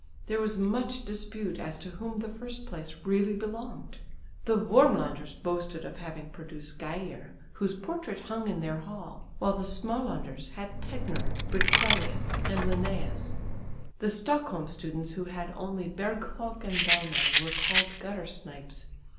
There was much dispute as to whom the first place really belonged. The Wormlanders boasted of having produced Geijer whose portrait hung in their hall, while the Smålanders had Tegner, Berzelius and Linnæus. The Stockholm students who had only Bergfalk and Bellmann were called "gutter snipes."